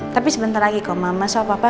tapi sebentar lagi kok mama sama papa